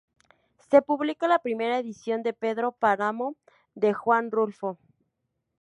Se publica la primera edición de "Pedro Páramo" de Juan Rulfo.